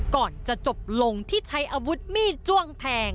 ก่อนจะจบลงที่ใช้อาวุธมีดจ้วงแทง